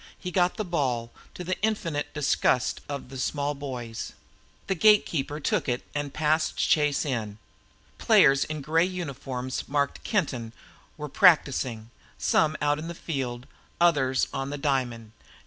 He got the ball, to the infinite disgust of the small boys. The gatekeeper took it and passed Chase in. Players in gray uniforms marked "Kenton" were practising, some out in the field, others on the diamond.